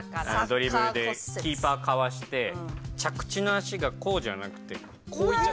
ドリブルでキーパーかわして着地の足がこうじゃなくてこういっちゃったんです。